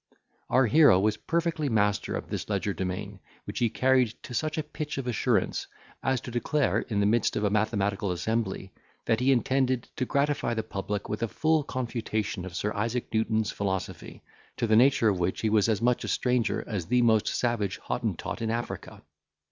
Our hero was perfectly master of this legerdemain, which he carried to such a pitch of assurance, as to declare, in the midst of a mathematical assembly, that he intended to gratify the public with a full confutation of Sir Isaac Newton's philosophy, to the nature of which he was as much a stranger as the most savage Hottentot in Africa.